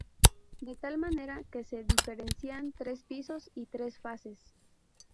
De tal manera, que se diferencian tres pisos y tres fases.